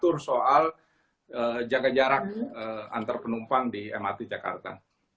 jadi kita harus mengatur soal jaga jarak antar penumpang di mrt jakarta